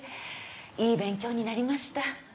いい勉強になりました。